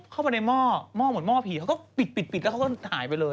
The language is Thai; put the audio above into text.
เข้าไปในหม้อหม้อมอบพี่เขาก็ปิดก็หายไปเลย